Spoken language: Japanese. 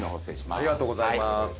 ありがとうございます。